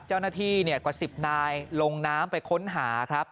เจ้าหน้าที่กว่า๑๐นายลงน้ำไปค้นหาครับ